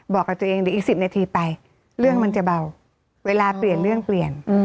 บอกกับตัวเองเดี๋ยวอีก๑๐นาทีไปเรื่องมันจะเบาเวลาเปลี่ยนเรื่องเปลี่ยน